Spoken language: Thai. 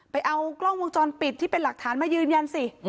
ไปเอากล้องวงจรปิดที่เป็นหลักฐานมายืนยันสิ